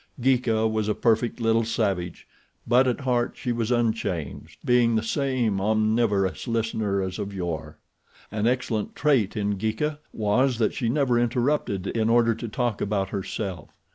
Geeka was a perfect little savage; but at heart she was unchanged, being the same omnivorous listener as of yore. An excellent trait in Geeka was that she never interrupted in order to talk about herself.